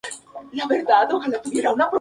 Está ubicada junto a la calle de Arganda del Rey.